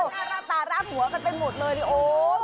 ราดหน้าราดตาราดหัวกันไปหมดเลยโอ้โฮ